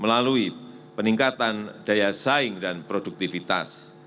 melalui peningkatan daya saing dan produktivitas